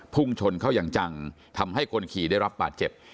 พุ่งชนเข้าอย่างจังทำให้คนขี่ได้รับบาดเจ็บ